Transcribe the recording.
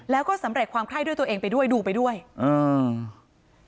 แล้วก็สำเร็จความไข้ด้วยตัวเองไปด้วยดูไปด้วยอ่า